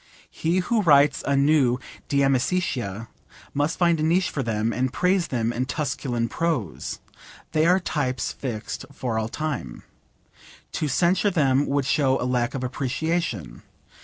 He who writes a new De Amicitia must find a niche for them, and praise them in Tusculan prose. They are types fixed for all time. To censure them would show 'a lack of appreciation.'